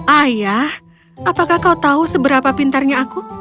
ayah apakah kau tahu seberapa pintarnya aku